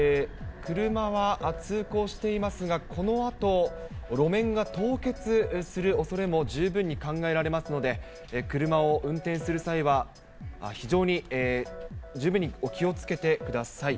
車は通行していますが、このあと路面が凍結するおそれも十分に考えられますので、車を運転する際は、十分に気をつけてください。